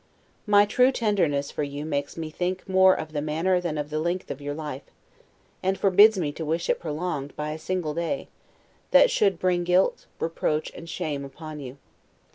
My true tenderness for you makes me think more of the manner than of the length of your life, and forbids me to wish it prolonged, by a single day, that should bring guilt, reproach, and shame upon you.